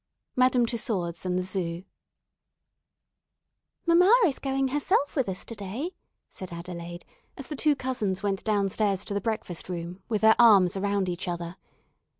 MADAME TUSSAUD'S AND THE ZOO "MAMMA is going herself with us to day," said Adelaide, as the two cousins went down stairs to the breakfast room, with their arms around each other.